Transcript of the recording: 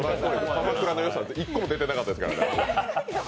鎌倉のよさ１個も出てなかったですからね。